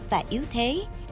và yếu thế